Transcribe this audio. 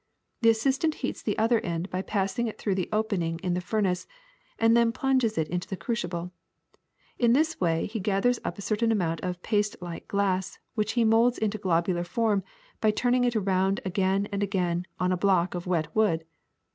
The assistant heats the other end by passing it through the opening in the furnace, and then plunges it into the crucible. In this way he gathers up a certain amount of paste like glass, which he molds into globular form by turning it around again and again on a block of wet wood.